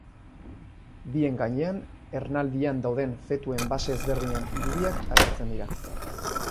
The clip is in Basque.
Bien gainean ernaldian dauden fetuen fase ezberdinen irudiak agertzen dira.